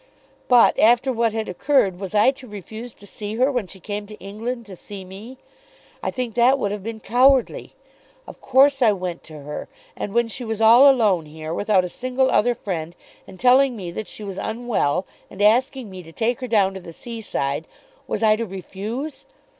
But, after what had occurred, was I to refuse to see her when she came to England to see me? I think that would have been cowardly. Of course I went to her. And when she was all alone here, without a single other friend, and telling me that she was unwell, and asking me to take her down to the seaside, was I to refuse?